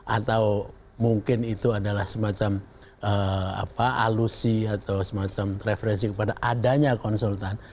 atau mungkin itu adalah semacam alusi atau semacam referensi kepada adanya konsultan